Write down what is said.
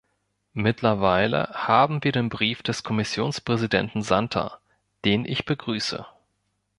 Mittlerweile haben wir den Brief des Kommissionspräsidenten Santer, den ich begrüße.